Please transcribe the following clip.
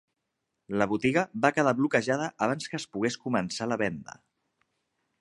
La botiga va quedar bloquejada abans que es pogués començar la venda.